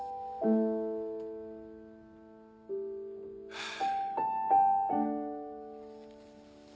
ハァ。